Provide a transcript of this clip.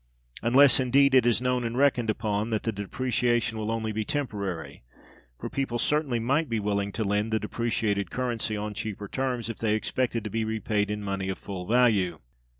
Unless, indeed, it is known and reckoned upon that the depreciation will only be temporary; for people certainly might be willing to lend the depreciated currency on cheaper terms if they expected to be repaid in money of full value.